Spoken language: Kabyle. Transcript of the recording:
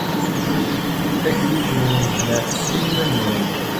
Akluc-nwen, jemɛet-tt i yiman-nwen.